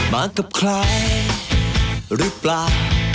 มากับใครหรือเปล่า